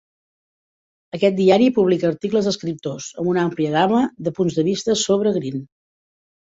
Aquest diari publica articles d"escriptors amb una àmplia gama de punts de vista sobre Green.